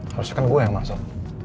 harusnya kan gue yang masak